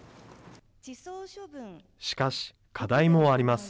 しかし、課題もあります。